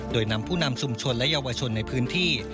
โดยนำผู้นำชุมชนและเยาวชนในพื้นที่